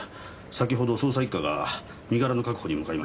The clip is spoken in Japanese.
先ほど捜査一課が身柄の確保に向かいましたからそろそろ。